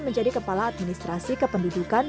menjadi kepala administrasi kepemimpukan